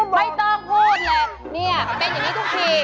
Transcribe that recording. ไม่ต้องพูดหรอกเนี่ยเป็นอย่างนี้ทุกที